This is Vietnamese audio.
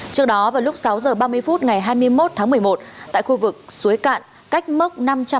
trước đó vào lúc sáu h ba mươi phút ngày hai mươi một tháng một mươi một tại khu vực suối cạn cách mốc năm trăm hai mươi bảy